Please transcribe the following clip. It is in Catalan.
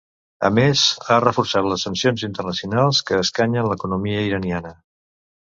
A més, ha reforçat les sancions internacionals que escanyen l’economia iraniana.